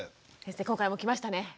今回もきましたね。